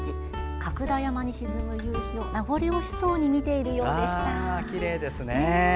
角田山に沈む夕日を名残惜しそうにきれいですね。